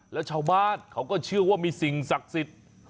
แล้วชาวบ้านเขาก็เชื่อว่ามีสิ่งศักดิ์สิทธิ์